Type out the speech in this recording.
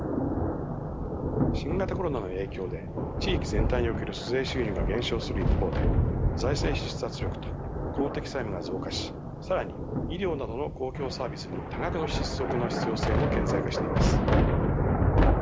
新型コロナの影響で地域全体における租税収入が減少する一方で財政支出圧力と公的債務が増加し更に医療などの公共サービスに多額の支出を行う必要性も顕在化しています。